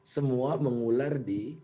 semua mengular di